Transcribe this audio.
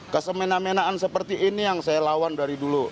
kesemena menaan seperti ini yang saya lawan dari dulu